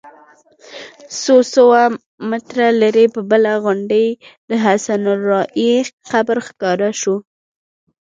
څو سوه متره لرې پر بله غونډۍ د حسن الراعي قبر ښکاره شو.